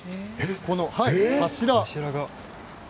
この柱。